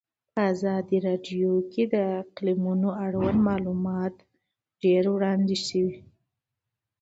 په ازادي راډیو کې د اقلیتونه اړوند معلومات ډېر وړاندې شوي.